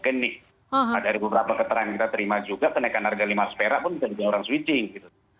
karena dari beberapa keterangan yang kita terima juga kenaikan harga lima spera pun bisa jadi orang switching gitu